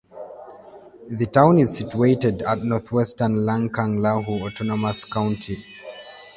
The town is situated at northwestern Lancang Lahu Autonomous County.